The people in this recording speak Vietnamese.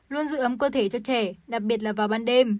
luôn giữ ấm cơ thể cho trẻ đặc biệt là vào ban đêm